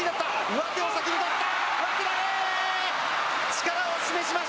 上手を先に取った。